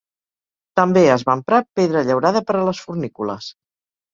També es va emprar pedra llaurada per a les fornícules.